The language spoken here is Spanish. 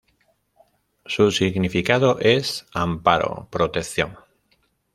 Su significado es "amparo, protección".